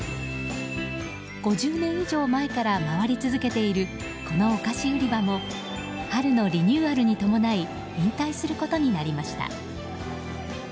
５０年以上前から回り続けているこのお菓子売り場も春のリニューアルに伴い引退することになりました。